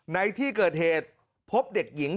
ในที่เกิดเหตุพบเด็กหญิง